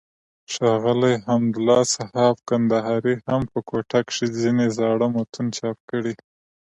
ښاغلي حمدالله صحاف کندهاري هم په کوټه کښي ځينې زاړه متون چاپ کړي دي.